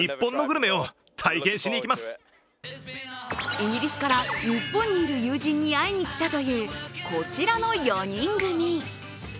イギリスからニッポンにいる友人に会いに来たというこちらの４人組。